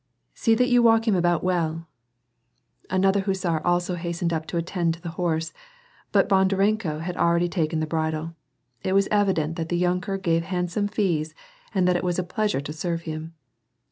"See that you walk him about well." Another hussar also hastened up to attend to the horse, but Bondarenko had already taken the bridle. It was evident that the yunker gave handsome fees and that it was a pleasure to serve him.